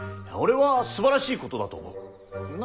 俺はすばらしいことだと思う。